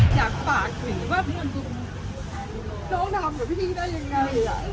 อยากฝากถึงว่าพี่อนดูน้องทำกับพี่ได้ยังไง